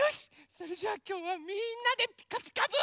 それじゃあきょうはみんなで「ピカピカブ！」。